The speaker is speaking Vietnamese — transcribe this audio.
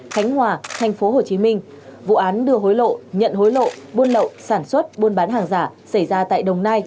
khánh hòa tp hcm vụ án đưa hối lộ nhận hối lộ buôn lậu sản xuất buôn bán hàng giả xảy ra tại đồng nai